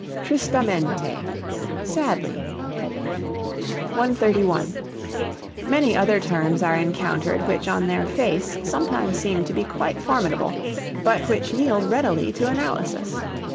Tristamente sadly. 131. Many other terms are encountered which on their face sometimes seem to be quite formidable, but which yield readily to analysis.